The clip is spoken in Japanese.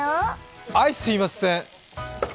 あいすみません！